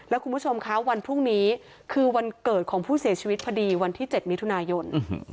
แล้วคุณผู้ชมคะวันพรุ่งนี้คือวันเกิดของผู้เสียชีวิตพอดีวันที่๗มิถุนายน